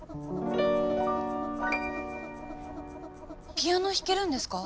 ピアノ弾けるんですか？